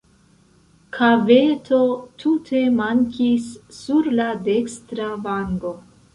Kaveto tute mankis sur la dekstra vango.